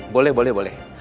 boleh boleh boleh